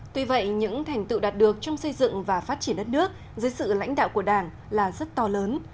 tuy vậy những thành tựu đạt được trong xây dựng và phát triển đất nước dưới sự lãnh đạo của đảng là rất to lớn